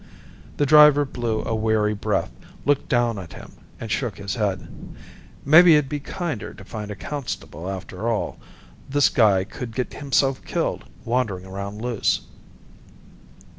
The driver blew a weary breath, looked down at him, and shook his head. Maybe it'd be kinder to find a constable after all. This guy could get himself killed, wandering around loose.